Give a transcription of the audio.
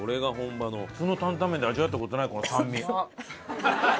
普通の担担麺で味わった事ないこの酸味。